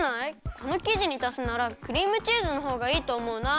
このきじにたすならクリームチーズのほうがいいとおもうな。